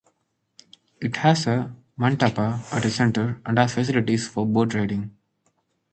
It has a mandapa at its centre and has facilities for boat riding.